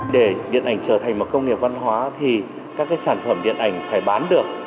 để điện ảnh trở thành một công nghiệp văn hóa thì các sản phẩm điện ảnh phải bán được